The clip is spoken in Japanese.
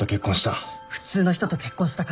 普通の人と結婚したかったから